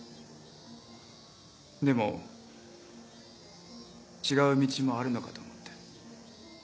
でも違う道もあるのかと思って。